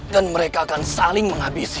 dan mereka akan saling menghabisi